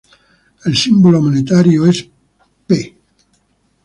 El símbolo monetario, es Ᵽ.